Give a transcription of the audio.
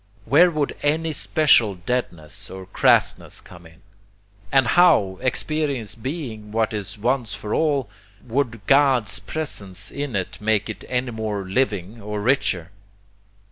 Where would any special deadness, or crassness, come in? And how, experience being what is once for all, would God's presence in it make it any more living or richer?